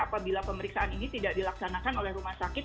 apabila pemeriksaan ini tidak dilaksanakan oleh rumah sakit